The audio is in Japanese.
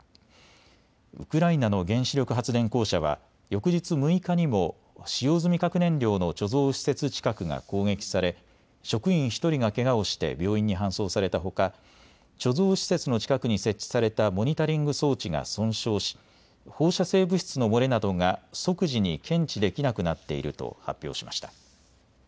ウクライナの原子力発電公社は翌日６日にも使用済み核燃料の貯蔵施設近くが攻撃され職員１人がけがをして病院に搬送されたほか貯蔵施設の近くに設置されたモニタリング装置が損傷し放射性物質の漏れなどが即時に検知できなくなっていると発表しました。